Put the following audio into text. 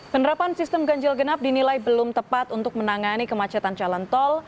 penerapan sistem ganjil genap dinilai belum tepat untuk menangani kemacetan jalan tol